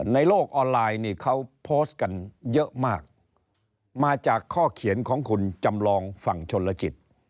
ในโลกออนไลน์นี่เขาโพสต์กันเยอะมากมาจากข้อเขียนของคุณจำลองฝั่งชนลจิต